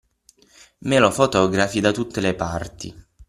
Me lo fotografi da tutte le parti!